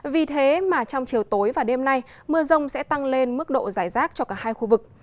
vì thế mà trong chiều tối và đêm nay mưa rông sẽ tăng lên mức độ giải rác cho cả hai khu vực